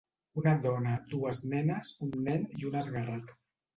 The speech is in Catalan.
Una dona, dues nenes, un nen i un esguerrat.